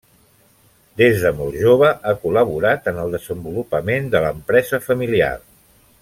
Des de molt jove ha col·laborat en el desenvolupament de l'empresa familiar.